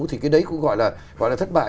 thì cái đấy cũng gọi là thất bại